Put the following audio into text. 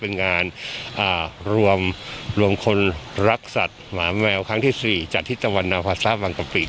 เป็นงานรวมคนรักสัตว์หมาแมวครั้งที่๔จัดที่ตะวันนาภาษาวังกะปิ